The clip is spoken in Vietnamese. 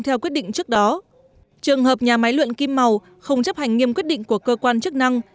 theo quyết định trước đó trường hợp nhà máy luyện kim màu không chấp hành nghiêm quyết định của cơ quan chức năng